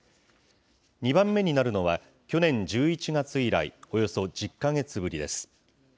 ２番目になるのは、去年１１月以来、およそ１０か月ぶりです。